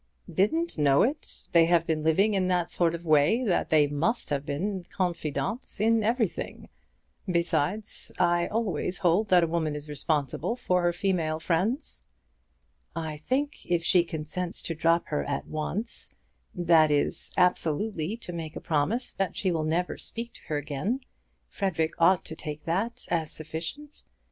"Didn't know it! They have been living in that sort of way that they must have been confidantes in everything. Besides, I always hold that a woman is responsible for her female friends." "I think if she consents to drop her at once, that is, absolutely to make a promise that she will never speak to her again, Frederic ought to take that as sufficient.